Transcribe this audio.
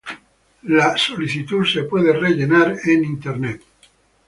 La solicitud puede ser llenada en el internet.